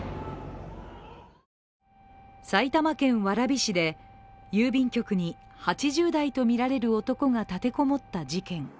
埼玉県蕨市で、郵便局に８０代とみられる男が立てこもった事件。